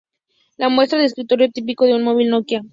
La muestra el escritorio típico de un móvil Nokia.